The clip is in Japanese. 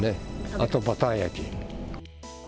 あとバター焼き。